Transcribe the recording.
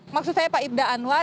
maksud saya pak ibda anwar